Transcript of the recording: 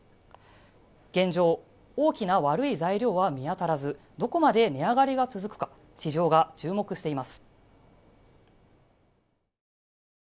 現状、大きな悪い材料は見当たらず、どこまで値上がりが続くか市場が注目しています。